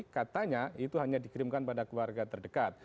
katanya itu hanya dikirimkan pada keluarga terdekat